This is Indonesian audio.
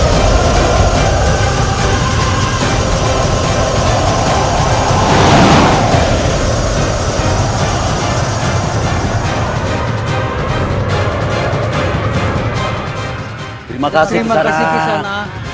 terima kasih kisana